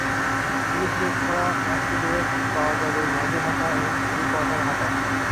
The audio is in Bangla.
স্লিভলেস ছাড়াও ম্যাক্সি ড্রেস পাওয়া যাবে ম্যাগি হাতা এবং থ্রি-কোয়ার্টার হাতার।